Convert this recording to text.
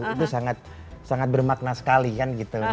itu sangat bermakna sekali kan gitu